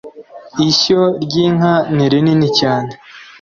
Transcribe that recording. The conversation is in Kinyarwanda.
ishyo ry’inka ni rinini cyane